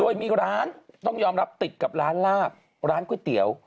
โดยมีร้านต้องยอมรับติดกับร้านลาบร้านก๋วยเตี๋ยว